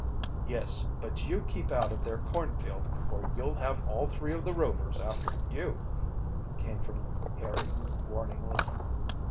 "Yes, but you keep out of their cornfield, or you'll have all three of the Rovers after you," came from Harry warningly.